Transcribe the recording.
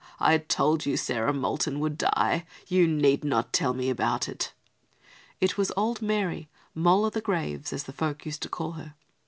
I told you Sarah Moulton would die. You need not tell me about it." It was old Mary, "Moll o' the graves," as the folk used to call her.